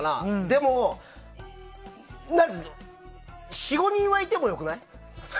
でも４５人はいても良くない？